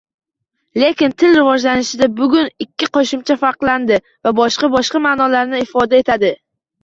Lekin til rivojlanishda, bugun ikki qoʻshimcha farqlanadi va boshqa-boshqa maʼnolarni ifoda etadi